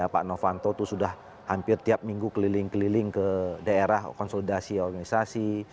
pak novanto itu sudah hampir tiap minggu keliling keliling ke daerah konsolidasi organisasi